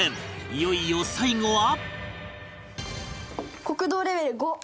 いよいよ最後は